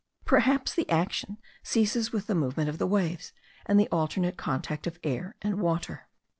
Perhaps the action ceases with the movement of the waves, and the alternate contact of air and water.